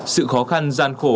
sự khó khăn gian khổ